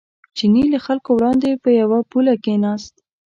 چیني له خلکو وړاندې په یوه پوله کېناست.